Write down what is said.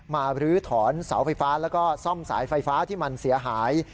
ลื้อถอนเสาไฟฟ้าแล้วก็ซ่อมสายไฟฟ้าที่มันเสียหาย